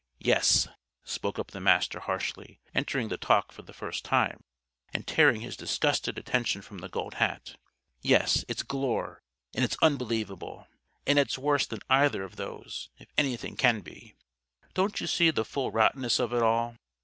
"Yes!" spoke up the Master harshly, entering the talk for the first time, and tearing his disgusted attention from the Gold Hat. "Yes, it's Glure, and it's unbelievable! And it's worse than either of those, if anything can be. Don't you see the full rottenness of it all?